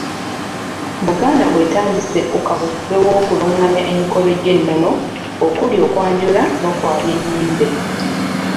Buganda bw’etandise ku kaweefube w’okulungamya emikolo gy’ennono okuli okwanjula n’okwabya ennyimbe.